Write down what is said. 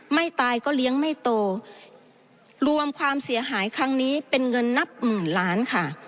ไม่ตายก็เลี้ยงไม่โตรวมความเสียหายครั้งนี้เป็นเงินนับหมื่นล้านค่ะ